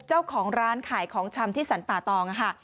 เจ้าของร้านขายของชำที่สรรป่าตองค่ะ